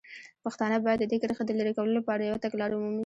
پښتانه باید د دې کرښې د لرې کولو لپاره یوه تګلاره ومومي.